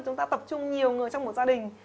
chúng ta tập trung nhiều người trong một gia đình